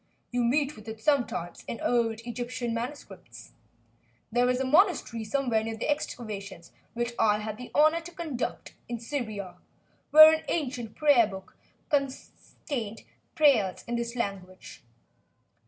You meet with it sometimes in old Egyptian manuscripts. There was a monastery somewhere near the excavations which I had the honor to conduct in Syria, where an ancient prayer book contained several prayers in this language.